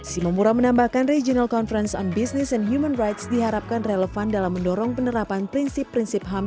simomura menambahkan regional conference on business and human rights diharapkan relevan dalam mendorong penerapan prinsip prinsip ham